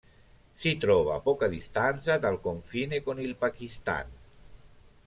Si trova a poca distanza dal confine con il Pakistan.